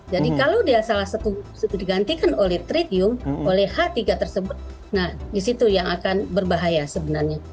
jadi kalau dia salah satu digantikan oleh tritium oleh h tiga tersebut nah disitu yang akan berbahaya sebenarnya